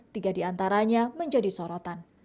tiga diantaranya menjadi sorotan